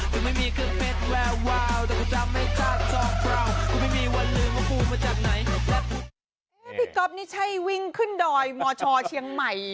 นี่พี่ก๊อฟนี่ใช่วิ่งขึ้นดอยมชเชียงใหม่